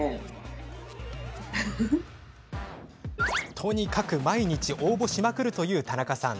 とにかく毎日、応募しまくるという田中さん。